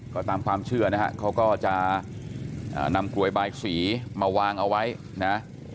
ก็ตามความเชื่อนะฮะเขาก็จะนำกลวยบายสีมาวางเอาไว้นะ